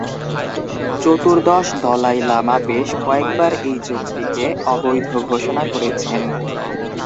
চতুর্দশ দলাই লামা বেশ কয়েকবার এই চুক্তিকে অবৈধ ঘোষণা করেছেন।